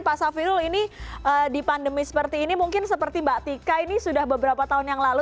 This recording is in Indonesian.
pak safirul ini di pandemi seperti ini mungkin seperti mbak tika ini sudah beberapa tahun yang lalu